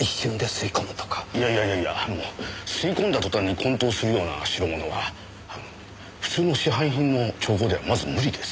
いやいやいやあの吸い込んだ途端に昏倒するような代物は普通の市販品の調合ではまず無理です。